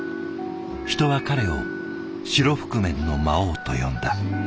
人は彼を白覆面の魔王と呼んだ。